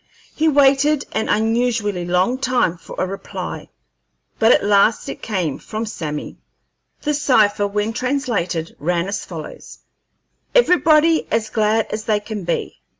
He waited an unusually long time for a reply, but at last it came, from Sammy. The cipher, when translated, ran as follows: "Everybody as glad as they can be.